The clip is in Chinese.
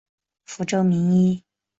福州名医。